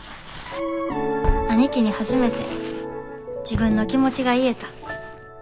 兄貴に初めて自分の気持ちが言えた。